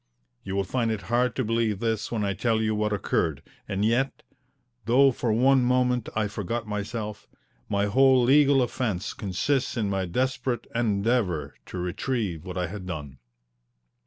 You will find it hard to believe this when I tell you what occurred, and yet though for one moment I forgot myself my whole legal offence consists in my desperate endeavour to retrieve what I had done.